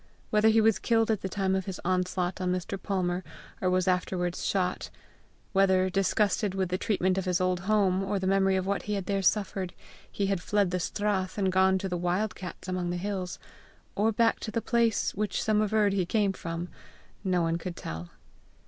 whether he was killed at the time of his onslaught on Mr. Palmer, or was afterwards shot; whether, disgusted with the treatment of his old home, or the memory of what he had there suffered, he had fled the strath, and gone to the wild cats among the hills, or back to the place which some averred he came from, no one could tell.